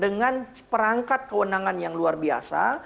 dengan perangkat kewenangan yang luar biasa